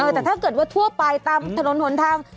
แต่ถ้าเกิดว่าทั่วไปตามถนนหนทาง